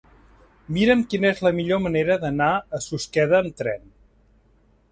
Mira'm quina és la millor manera d'anar a Susqueda amb tren.